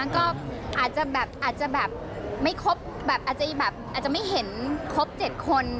ก็อาจจะไม่เห็นครบจด๗คน